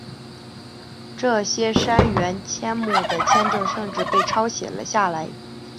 有些杉原千亩的签证甚至被抄写了下来。